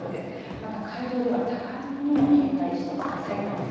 また海上では高波にも警戒してください。